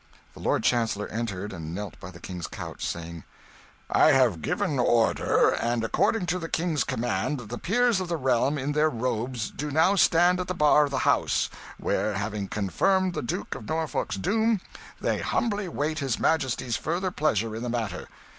The Lord Chancellor entered, and knelt by the King's couch, saying "I have given order, and, according to the King's command, the peers of the realm, in their robes, do now stand at the bar of the House, where, having confirmed the Duke of Norfolk's doom, they humbly wait his majesty's further pleasure in the matter."